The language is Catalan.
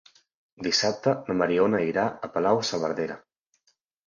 Dissabte na Mariona irà a Palau-saverdera.